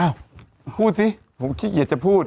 พูดสิผมขี้เกียจจะพูด